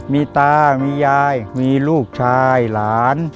มีตามียายมีลูกชายหลาน